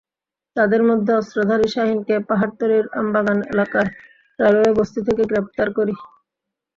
তাঁদের মধ্যে অস্ত্রধারী শাহীনকে পাহাড়তলীর আমবাগান এলাকার রেলওয়ে বস্তি থেকে গ্রেপ্তার করি।